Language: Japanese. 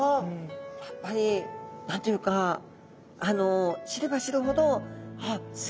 やっぱり何と言うか知れば知るほどあっす